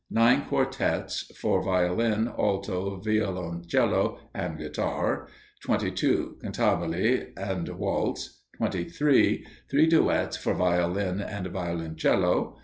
Nine Quartetts, for Violin, Alto, Violoncello, and Guitar. 22. Cantabile and Waltz. 23. Three Duetts, for Violin and Violoncello.